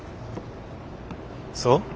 そう？